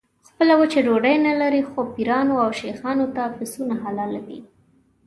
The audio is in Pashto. خپله وچه ډوډۍ نه لري خو پیرانو او شیخانو ته پسونه حلالوي.